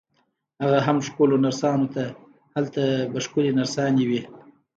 هغه هم ښکلو نرسانو ته، هلته به ښکلې نرسانې وي.